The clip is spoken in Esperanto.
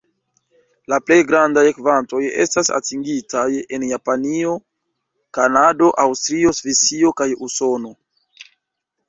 La plej grandaj kvantoj estas atingitaj en Japanio, Kanado, Aŭstrio, Svisio kaj Usono.